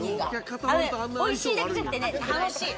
おいしいだけじゃなくて楽しい。